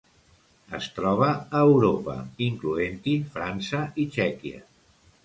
Es troba a Europa, incloent-hi França i Txèquia.